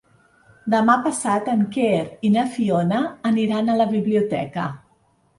Demà passat en Quer i na Fiona aniran a la biblioteca.